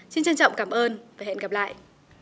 xin trân trọng cảm ơn và hẹn gặp lại